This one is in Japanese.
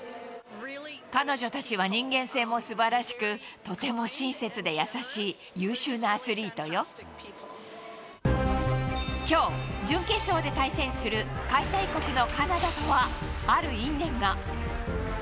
彼女たちは人間性もすばらしく、とても親切で優しい、きょう、準決勝で対戦する開催国のカナダとは、ある因縁が。